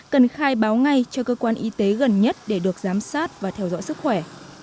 cần khai báo ngay cho cơ quan y tế gần nhất để được giám sát và theo dõi sức khỏe